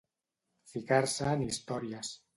Ficar-se en històries.